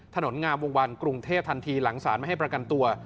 ถนนงามวงวันกรุงเทพทันทีหลังสารไม่ให้ประกันตัว